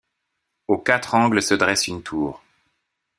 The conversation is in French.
Aux quatre angles se dresse une tour.